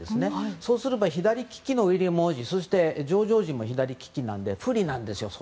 そうすると左利きのウィリアム王子やそして、ジョージ王子も左利きなんで不利なんですよ。